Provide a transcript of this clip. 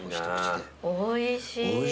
おいしい。